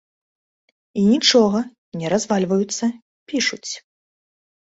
І нічога, не развальваюцца, пішуць.